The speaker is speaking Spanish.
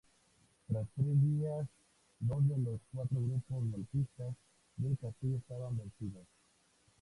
Tras tres días dos de los cuatro grupos golpistas de Castillo estaban vencidos.